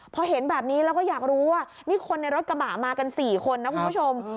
พอเห็นแบบนี้แล้วก็อยากรู้ว่านี่คนในรถกระบะมากัน๔คนนะคุณผู้ชม